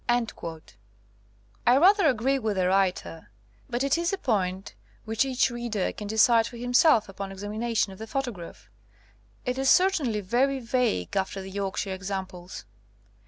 " I rather agree with the writer, but it is a point which each reader can decide for him self upon examination of the photograph. It is certainly very vague after the York shire examples.